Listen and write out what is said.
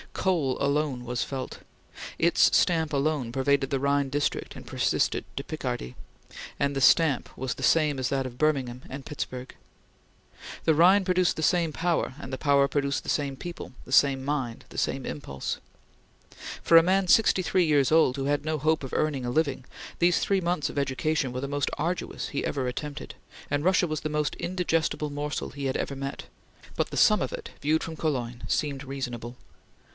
Coal alone was felt its stamp alone pervaded the Rhine district and persisted to Picardy and the stamp was the same as that of Birmingham and Pittsburgh. The Rhine produced the same power, and the power produced the same people the same mind the same impulse. For a man sixty three years old who had no hope of earning a living, these three months of education were the most arduous he ever attempted, and Russia was the most indigestible morsel he ever met; but the sum of it, viewed from Cologne, seemed reasonable.